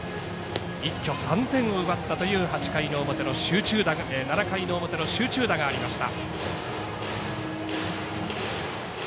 一挙３点を奪ったという７回の表の集中打がありました。